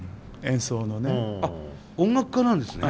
音楽家なんですね？